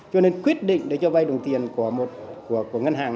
cho nên quyết định để cho vay đồng tiền của ngân hàng